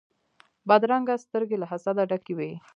بدرنګه سترګې له حسده ډکې وي